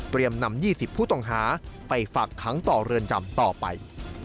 นำ๒๐ผู้ต้องหาไปฝากขังต่อเรือนจำต่อไป